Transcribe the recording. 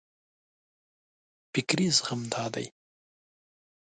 فکري زغم دا دی.